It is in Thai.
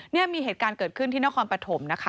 นี่มีเหตุการณ์เกิดขึ้นที่นครปฐมนะคะ